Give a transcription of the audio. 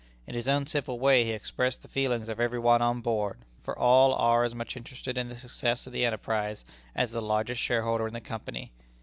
In his own simple way he expressed the feelings of every one on board, for all are as much interested in the success of the enterprise as the largest shareholder in the Company.